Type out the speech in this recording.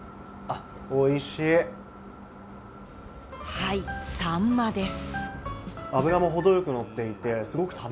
はい、サンマです。